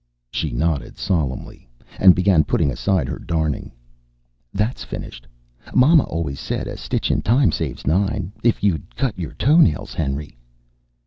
She nodded solemnly, and began putting aside her darning. "That's finished. Mama always said a stitch in time saves nine. If you'd cut your toenails, Henry...."